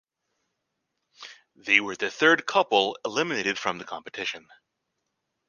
They were the third couple eliminated from the competition.